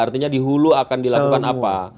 artinya di hulu akan dilakukan apa